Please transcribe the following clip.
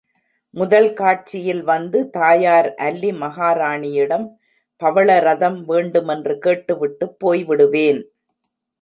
முதல் காட்சியில் வந்து, தாயார் அல்லி மகாராணியிடம் பவள ரதம் வேண்டுமென்று கேட்டுவிட்டுப் போய்விடுவேன்.